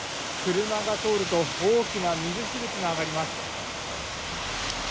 車が通ると大きな水しぶきが上がります。